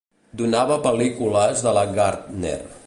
Donava pel·lícules de la Gardner.